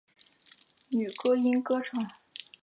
中国十大民族女高音歌唱家。